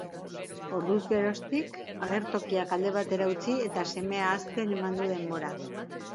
Orduz geroztik, agertokiak alde batera utzi eta semea hazten eman du denbora.